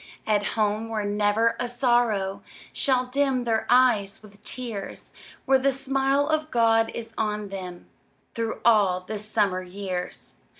At home, where never a sorrow Shall dim their eyes with tears! Where the smile of God is on them Through all the summer years!